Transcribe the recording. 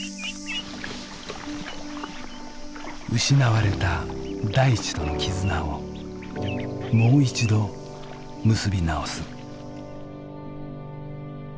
失われた大地との絆をもう一度結び直す。